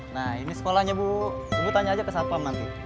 nah ini sekolahnya bu bu tanya aja ke saat pam nanti